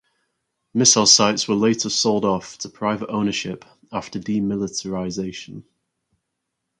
Missile sites were later sold off to private ownership after demilitarization.